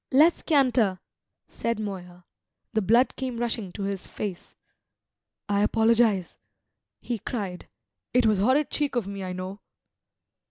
"Let's canter," said Moya. The blood came rushing to his face. "I apologise," he cried. "It was horrid cheek of me, I know!"